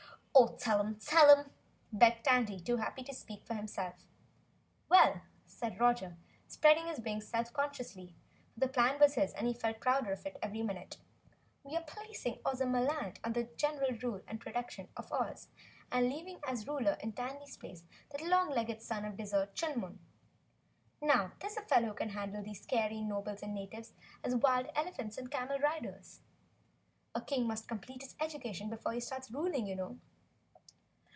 "Oh, tell him, tell him," begged Tandy, too happy to speak for himself. "Well," said Roger, spreading his wings self consciously, for the plan was his and he felt prouder of it every minute, "we are placing Ozamaland under the general rule and protection of Oz and leaving as Ruler in Tandy's place that long legged son of the desert, Chunum. Now there's a fellow who can handle these scary Nobles and natives and wild elephant and camel riders. A King must complete his education before he starts ruling, you know."